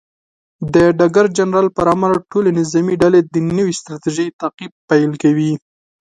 د ډګر جنرال پر امر، ټولې نظامي ډلې د نوې ستراتیژۍ تعقیب پیل کوي.